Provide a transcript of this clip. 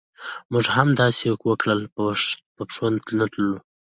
موږ هم همداسې وکړل او په پښو ننوتلو.